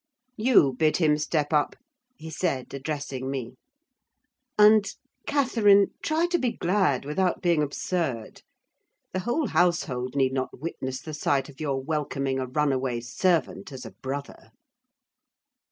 "You bid him step up," he said, addressing me; "and, Catherine, try to be glad, without being absurd. The whole household need not witness the sight of your welcoming a runaway servant as a brother."